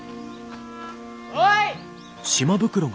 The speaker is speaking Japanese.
おい！